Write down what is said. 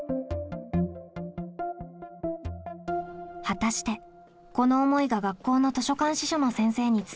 果たしてこの思いが学校の図書館司書の先生に伝わるでしょうか？